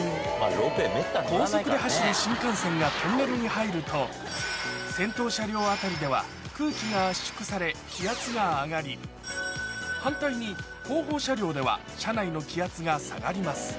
高速で走る新幹線がトンネルに入ると、先頭車両辺りでは空気が圧縮され、気圧が上がり、反対に後方車両では車内の気圧が下がります。